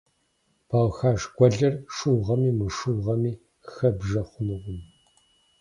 Балхаш гуэлыр шыугъэми мышыугъэми хэббжэ хъунукъым.